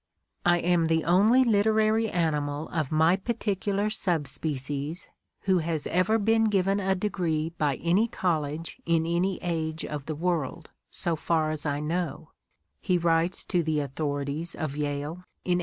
" I am the only literary animal of my particular subspecies who has ever been given a degree by any college in any age of the world, so far a:s I know," he writes to the authorities of Yale in 1888.